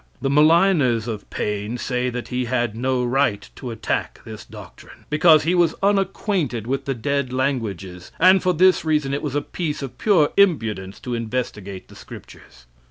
The maligners of Paine say that he had no right to attack this doctrine, because he was unacquainted with the dead languages, and, for this reason, it was a piece of pure impudence to investigate the scriptures.